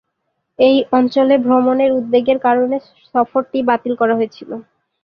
এই অঞ্চলে ভ্রমণের উদ্বেগের কারণে সফরটি বাতিল করা হয়েছিল।